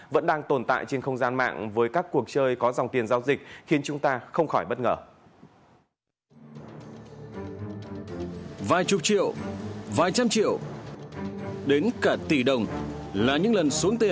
vẫn đang tồn tại trên không gian mạng với các cuộc chơi có dòng tiền giao dịch khiến chúng ta không khỏi bất ngờ